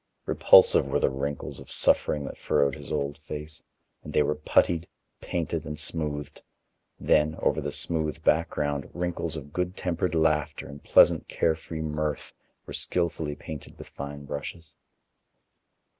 Repulsive were the wrinkles of suffering that furrowed his old face, and they were puttied, painted, and smoothed; then, over the smooth background, wrinkles of good tempered laughter and pleasant, carefree mirth were skillfully painted with fine brushes.